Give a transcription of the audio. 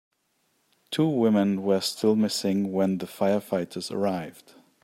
Two women were still missing when the firefighters arrived.